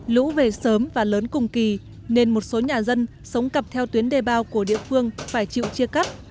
lũ về sớm và lớn cùng kỳ nên một số nhà dân sống cặp theo tuyến đề bao của địa phương phải chịu chia cắt